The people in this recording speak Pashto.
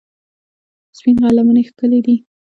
سپین غر لمنې ښکلې دي؟